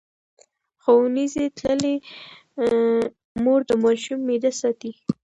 ښوونځې تللې مور د ماشوم معده ساتي.